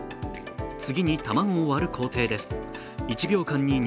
次に卵を割る工程です。